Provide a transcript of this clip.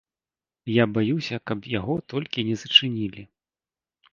Я баюся, каб яго толькі не зачынілі.